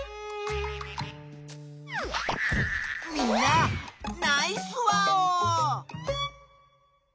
みんなナイスワオー！